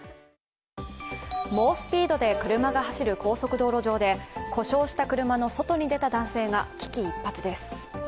猛スピードで車が走る高速道路上で故障した車の外に出た男性が危機一髪です。